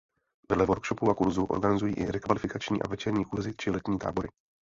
Vedle workshopů a kurzů organizují i rekvalifikačníí a večerní kurzy či letní tábory.